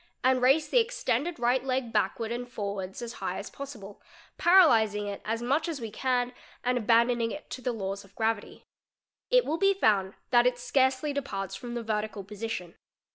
and raise the extended right leg backward and _| forwards as high as possible, " paralysing'"' it as much as we can and abandoning it to the laws of gravity; it will be found that it scarcely departs from the vertical position.